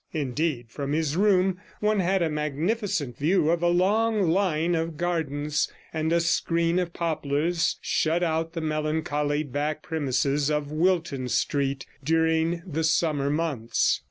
Indeed, from his room one had a magnificent view of a long line of gardens, and a screen of poplars shut out the melancholy back premises of Wilton Street during the summer months.